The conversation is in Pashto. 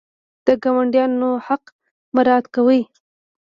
د ګاونډیانو حق مراعات کوئ؟